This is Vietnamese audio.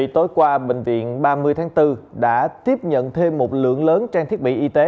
tối qua bệnh viện ba mươi tháng bốn đã tiếp nhận thêm một lượng lớn trang thiết bị y tế